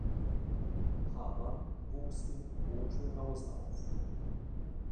Hamann wuchs in Hohenschönhausen auf.